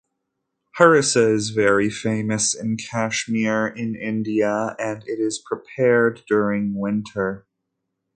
Harissa is very famous in Kashmir in India and it is prepared during winter.